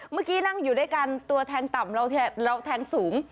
เมื่อกี้นั่งอยู่ด้วยกันตัวแทงต่ำเราแทงสูง